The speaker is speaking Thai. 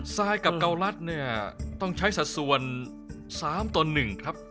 ทรายกับเกาลัดเนี่ยต้องใช้สัดส่วน๓ต่อ๑ครับ